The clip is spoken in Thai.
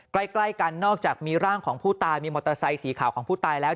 ใกล้กันนอกจากมีร่างของผู้ตายมีมอเตอร์ไซค์สีขาวของผู้ตายแล้ว